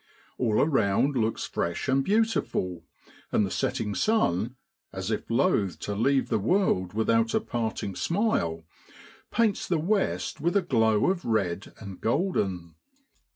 All around looks fresh and beautiful, and the setting sun, as if loath to leave the world without a parting smile, paints the west with a glow of red and golden.